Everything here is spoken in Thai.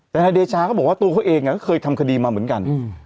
แต่นายเดชาก็บอกว่าตัวเขาเองก็เคยทำคดีมาเหมือนกัน